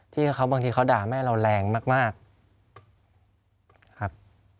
ที่เขาบางทีเขาด่าแม่เราแรงมากครับ